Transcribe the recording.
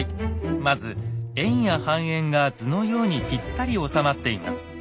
まず円や半円が図のようにぴったり収まっています。